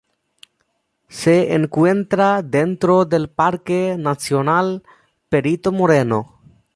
Se encuentra dentro del Parque Nacional Perito Moreno.